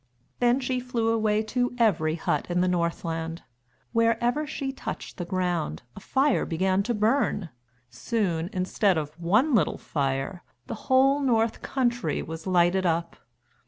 Then she flew away to every hut in the Northland. Wherever she touched the ground, a fire began to burn. Soon, instead of one little fire, the whole North country was lighted up.